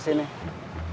jauh nih kak